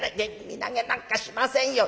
「身投げなんかしませんよ」。